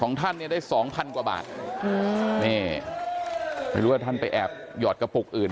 ท่านเนี่ยได้สองพันกว่าบาทอืมนี่ไม่รู้ว่าท่านไปแอบหยอดกระปุกอื่น